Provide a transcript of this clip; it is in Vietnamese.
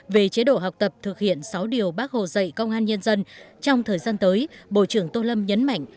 về chế độ học tập thực hiện sáu điều bác hồ dạy công an nhân dân trong thời gian tới bộ trưởng tô lâm nhấn mạnh